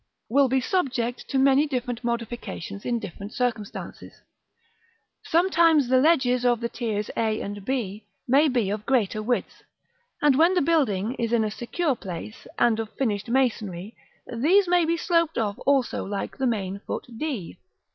will be subject to many different modifications in different circumstances. Sometimes the ledges of the tiers a and b may be of greater width; and when the building is in a secure place, and of finished masonry, these may be sloped off also like the main foot d.